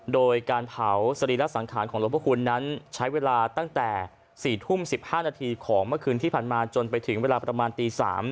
โดยการเผาสรีระสังขารของหลวงพระคุณนั้นใช้เวลาตั้งแต่๔ทุ่ม๑๕นาทีของเมื่อคืนที่ผ่านมาจนไปถึงเวลาประมาณตี๓